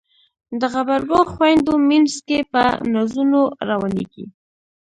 د غبرګو خویندو مینځ کې په نازونو روانیږي